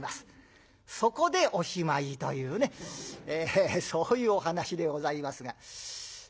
そこでおしまいというねそういうお噺でございますが。